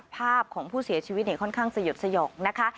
ภาพของผู้เสียชีวิตค่อนข้างสยดสยองนะคะ